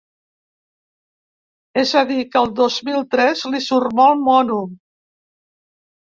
És a dir, que el dos mil tres li surt molt mono.